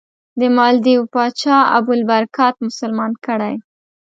د مالدیو پاچا ابوالبرکات مسلمان کړی.